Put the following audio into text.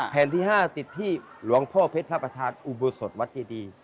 แผ่นที่๕ติดที่หลวงพ่อเพชรพระประธานอุโบสถวัดเจดี